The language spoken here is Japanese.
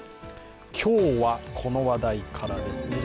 今日はこの話題からです。